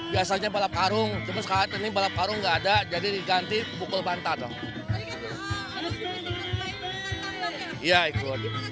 biasanya balap karung tapi sekarang ini balap karung gak ada jadi diganti gebuk bantal